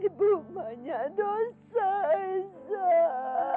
ibu banyak dosa isa